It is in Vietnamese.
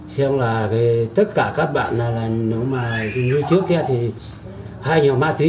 xem là tất cả các bạn nếu mà như trước kia thì hay nhiều ma tí